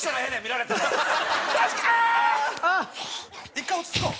１回落ち着こう。